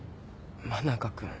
真中君。